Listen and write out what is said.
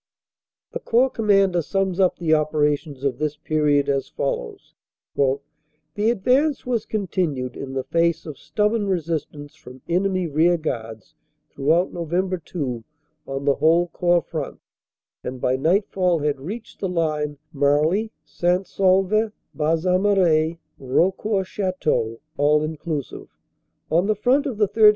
The Corps Commander sums up the operations of this period as follows: "The advance was continued in the face of stubborn resistance from enemy rearguards throughout Nov. 2 on the whole Corps front, and by nightfall had reached the line Marly St. Saulve Bas Amarais Raucourt Chateau, all WELCOME TO THE DELIVERER 377 inclusive. On the front of the 3rd.